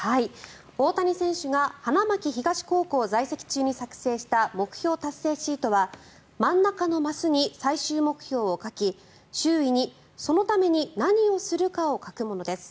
大谷選手が花巻東高校在籍中に作成した目標達成シートは真ん中のマスに最終目標を書き周囲に、そのために何をするかを書くものです。